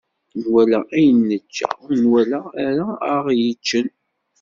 Nwala ayen nečča, ur nwala ara aɣ-yeččen.